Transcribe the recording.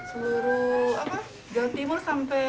seluruh jawa timur sampai